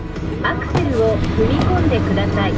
アクセルを踏み込んでください」。